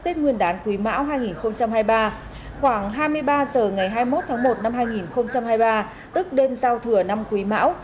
tết nguyên đán quý mão hai nghìn hai mươi ba khoảng hai mươi ba h ngày hai mươi một tháng một năm hai nghìn hai mươi ba tức đêm giao thừa năm quý mão